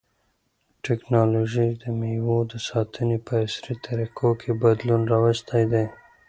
تکنالوژي د مېوو د ساتنې په عصري طریقو کې بدلون راوستی دی.